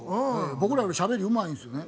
僕らよりしゃべりうまいんですよね。